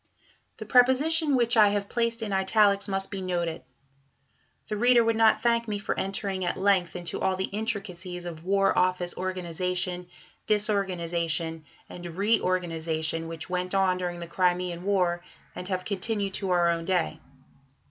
The preposition which I have placed in italics must be noted. The reader would not thank me for entering at length into all the intricacies of War Office organization, disorganization, and reorganization, which went on during the Crimean War, and have continued to our own day.